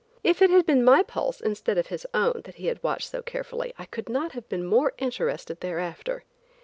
If it had been my pulse, instead of his own, that he watched so carefully, I could not have been more interested thereafter.